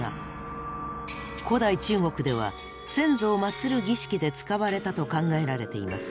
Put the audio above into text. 古代中国では先祖を祀る儀式で使われたと考えられています。